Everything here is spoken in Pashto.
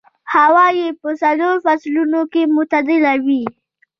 هوا يې په څلورو فصلونو کې معتدله وي.